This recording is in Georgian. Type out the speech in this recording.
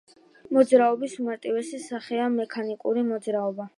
მოძრაობის უმარტივესი სახეა მექანიკური მოძრაობა